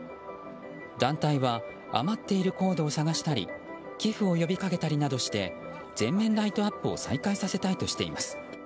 団体は余っているコードを探したり寄付を呼びかけたりなどして全面ライトアップを再開させたいとしています。